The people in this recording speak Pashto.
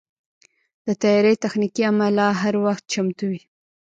د طیارې تخنیکي عمله هر وخت چمتو وي.